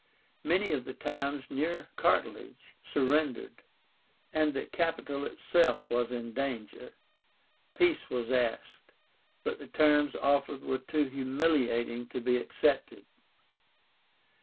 Many of the towns near Cartilage surrendered, and the capital itself was in danger. Peace was asked, but the terms offered were too humiliating to be accepted.